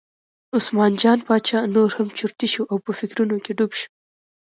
عثمان جان باچا نور هم چرتي شو او په فکرونو کې ډوب شو.